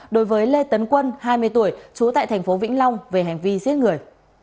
đối với lê tấn quân hai mươi tuổi trú tại thành phố vĩnh long về hành vi giết người